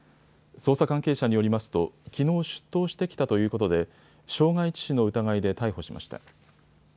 捜査関係者によりますときのう出頭してきたということで傷害致死の疑いで逮捕しました。